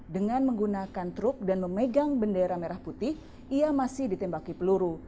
dengan menggunakan truk dan memegang bendera merah putih ia masih ditembaki peluru